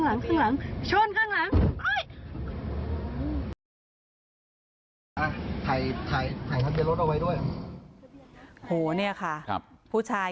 เดียดตอนไหนล่ะรู้เลย